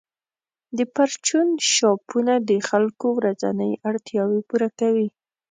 د پرچون شاپونه د خلکو ورځنۍ اړتیاوې پوره کوي.